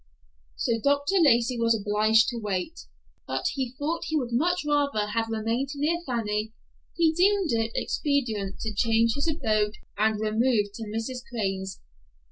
So Dr. Lacey was obliged to wait, but though he would much rather have remained near Fanny he deemed it expedient to change his abode and remove to Mrs. Crane's.